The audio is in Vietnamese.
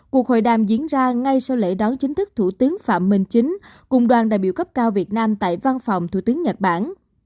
cuộc hội đàm diễn ra ngay sau lễ đón chính thức thủ tướng phạm minh chính cùng đoàn đại biểu cấp cao việt nam tại văn phòng thủ tướng nhật bản